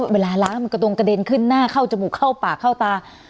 เวลาล้างมันกระดงกระเด็นขึ้นหน้าเข้าจมูกเข้าปากเข้าตา